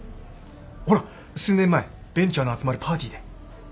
ほら数年前ベンチャーの集まるパーティーで。